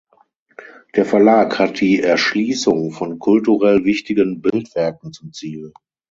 Der Verlag hat die Erschließung von kulturell wichtigen Bildwerken zum Ziel.